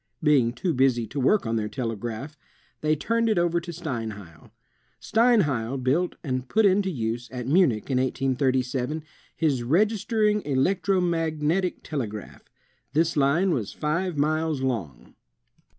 Being too busy to work on their telegraph, they turned it over to Steinheil. Steinheil built and put into use, at Munich, in 1837, his Registering Electro Magnetic Telegraph. The line was five miles long.